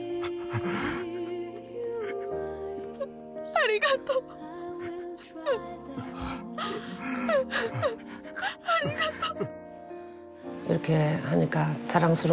ありがとうありがとう